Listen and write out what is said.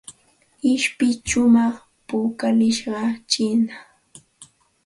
Ishpi shumaq pukallishqa chiinam.